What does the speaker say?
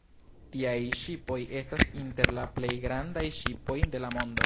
Tiaj ŝipoj estas inter la plej grandaj ŝipoj en la mondo.